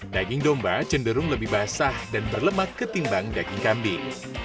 daging domba cenderung lebih basah dan berlemak ketimbang daging kambing